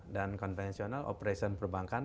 dan konvensional operation perbankan